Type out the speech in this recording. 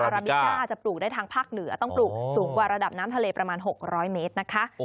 ราบิก้าอาจจะปลูกได้ทางภาคเหนือต้องปลูกสูงกว่าระดับน้ำทะเลประมาณ๖๐๐เมตรนะคะ